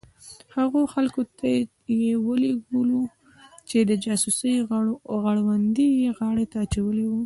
هغو خلکو ته یې ولېږو چې د جاسوسۍ غړوندی یې غاړې ته اچولي وو.